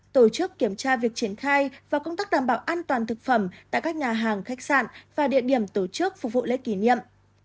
tổ chức kiểm tra việc triển khai và công tác đảm bảo an toàn thực phẩm tại các nhà hàng khách sạn và địa điểm tổ chức phục vụ lễ kỷ niệm